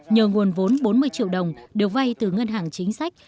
nhờ nguồn vốn bốn mươi triệu đồng đều vay từ ngân hàng chính sách